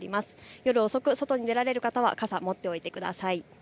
夜遅く外に出られる方は傘を持っておいてください。